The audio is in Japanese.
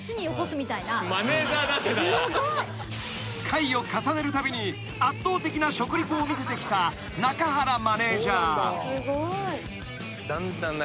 ［回を重ねるたびに圧倒的な食リポを見せてきた中原マネジャー］